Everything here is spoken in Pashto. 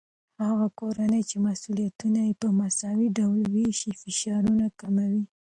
هغه کورنۍ چې مسؤليتونه په مساوي ډول وويشي، فشارونه کمېږي.